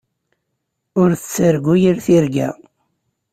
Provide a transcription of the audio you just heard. Ur tettargu yir tirga.